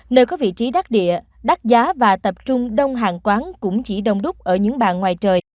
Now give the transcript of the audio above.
nơi có vị trí đắc địa đắt giá và tập trung đông hàng quán cũng chỉ đông đúc ở những bàn ngoài trời